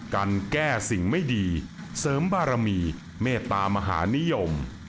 กันแก้สิ่งไม่ดีเสริมบารมีเมตตามหานิยม